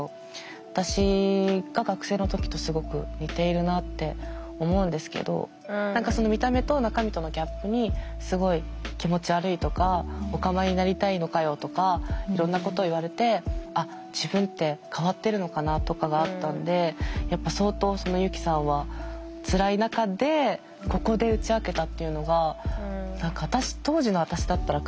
私が学生の時とすごく似ているなって思うんですけど何か見た目と中身とのギャップにすごい気持ち悪いとかオカマになりたいのかよとかいろんなこと言われて「あっ自分って変わってるのかな」とかがあったんでやっぱ相当ユキさんはつらい中でここで打ち明けたっていうのが何か当時の私だったら考えられない。